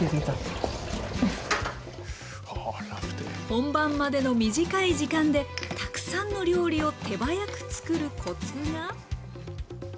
本番までの短い時間でたくさんの料理を手早く作るコツは？